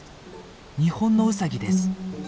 ニホンノウサギです。